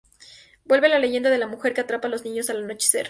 Vuelve la leyenda de la mujer que atrapa a los niños al anochecer.